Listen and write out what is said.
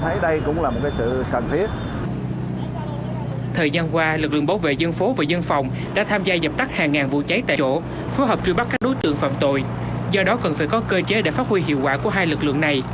tại khu dân cư lực lượng bảo vệ dân phố và dân phòng được thành lập để thực hiện nhiệm vụ giữ gìn an ninh trật tự phòng chống tội phạm và phòng chống tội